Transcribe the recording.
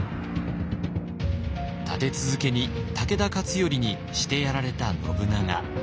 立て続けに武田勝頼にしてやられた信長。